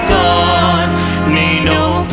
รักทั้งหมุนทั้งหมุน